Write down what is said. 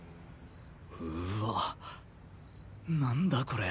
うわっ何だこれ。